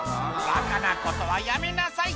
「バカなことはやめなさい！